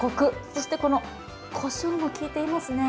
そしてこの、こしょうも効いていますね。